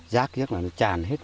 rác nhất là nó tràn hết